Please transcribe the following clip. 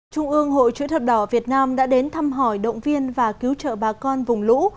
trung ương hội chữ thập đỏ việt nam đã đến thăm hỏi động viên và cứu trợ bà con vùng lũ